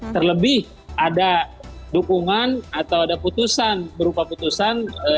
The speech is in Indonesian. terlebih ada dukungan atau ada putusan berupa putusan